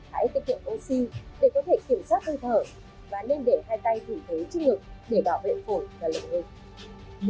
hãy tiết kiệm oxy để có thể kiểm soát hơi thở và nên để hai tay thủy thế chức ngực để bảo vệ cổ và lực lượng